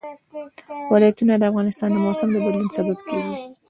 ولایتونه د افغانستان د موسم د بدلون سبب کېږي.